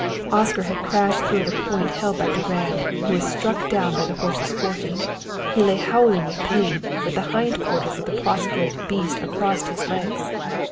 Oscar had crashed through at a point held by Durand, who was struck down by the horse's forefeet. He lay howling with pain, with the hind quarters of the prostrate beast across his legs.